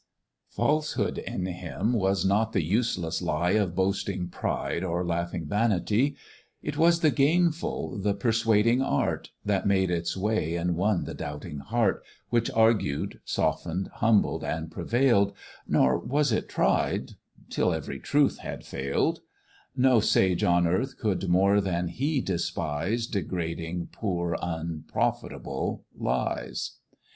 Falsehood in him was not the useless lie Of boasting pride or laughing vanity: It was the gainful, the persuading art, That made its way and won the doubting heart, Which argued, soften'd, humbled, and prevail'd, Nor was it tried till ev'ry truth had fail'd; No sage on earth could more than he despise Degrading, poor, unprofitable lies.